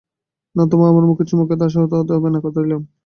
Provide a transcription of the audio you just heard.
না, তোমার আমাকে চুমু খেতেই হবে আশাহত হবে না, কথা দিলাম।